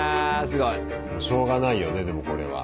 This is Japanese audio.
すごい。しょうがないよねでもこれは。